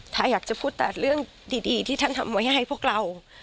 ถ้าอยากจะพูดแต่เรื่องดีที่ท่านทำไว้ให้พวกเรา